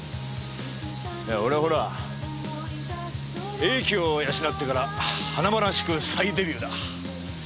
俺はほら英気を養ってから華々しく再デビューだ。